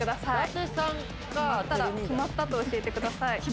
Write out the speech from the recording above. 決まったら決まったと教えてください